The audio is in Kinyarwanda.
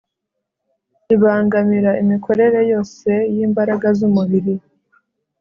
ibangamira imikorere yose yimbaraga zumubiri